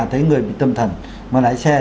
thấy người bị tâm thần mà lái xe